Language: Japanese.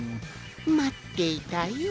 まっていたよ